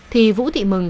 thì vũ thị mừng